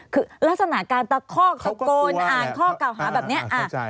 คือลักษณะการตะคอกตะโกนอ่านข้อเก่าหาแบบนี้